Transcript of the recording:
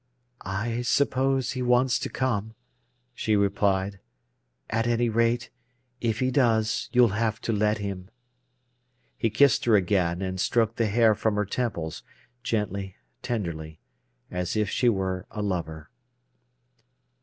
"I suppose he wants to come," she replied. "At any rate, if he does you'll have to let him." He kissed her again, and stroked the hair from her temples, gently, tenderly, as if she were a lover.